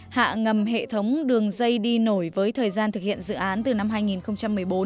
hạ ngầm hệ thống đường dây đi nổi với thời gian thực hiện dự án từ năm hai nghìn một mươi bốn